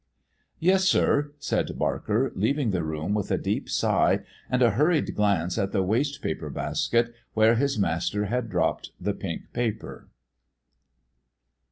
'" "Yes, sir," said Barker, leaving the room with a deep sigh and a hurried glance at the waste paper basket where his master had dropped the pink paper.